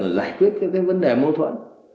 và giải quyết cái vấn đề mâu thuẫn